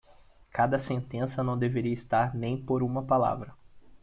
Cada sentença não deveria estar nem por uma palavra.